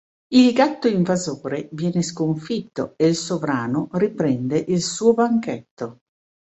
Il gatto invasore viene sconfitto e il sovrano riprende il suo banchetto.